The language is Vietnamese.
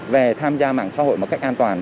về tham gia mạng xã hội một cách an toàn